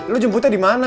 lu jemputnya di mana